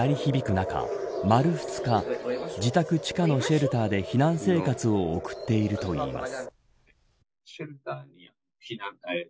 中丸２日、自宅地下のシェルターで避難生活を送っているといいます。